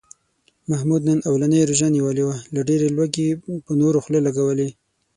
محمود نن اولنۍ روژه نیولې وه، له ډېرې لوږې یې په نورو خولې لږولې.